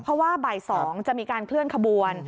เพราะว่าบ่าย๒จะมีการเคลื่อนขบวน